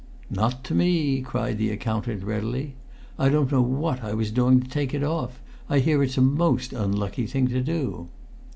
"Not to me!" cried the accountant readily. "I don't know what I was doing to take it off. I hear it's a most unlucky thing to do."